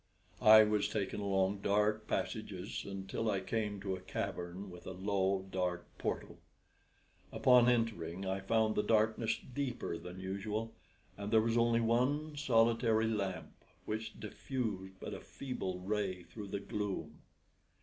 I was taken along dark passages until I came to a cavern with a low, dark portal. Upon entering I found the darkness deeper than usual, and there was only one solitary lamp, which diffused but a feeble ray through the gloom.